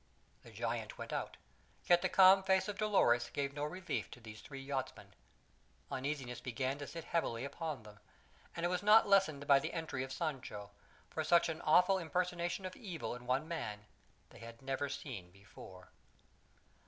The giant went out; yet the calm face of Dolores gave no relief to the three yachtsmen; uneasiness began to sit heavily upon them, and it was not lessened by the entry of Sancho, for such an awful impersonation of evil in one man they had never seen before.